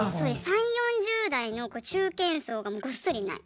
３０４０代の中堅層がごっそりいない。